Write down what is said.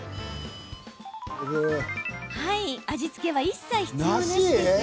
味付けは一切必要なし。